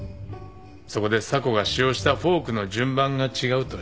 そこで査子が使用したフォークの順番が違うと指摘された。